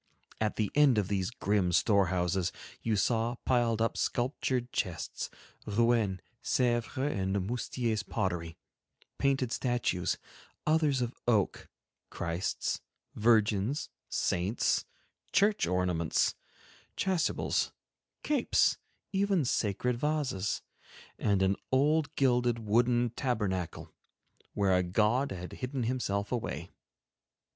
At the end of these grim storehouses you saw piled up sculptured chests, Rouen, Sevres, and Moustier's pottery, painted statues, others of oak, Christs, Virgins, Saints, church ornaments, chasubles, capes, even sacred vases, and an old gilded wooden tabernacle, where a god had hidden himself away.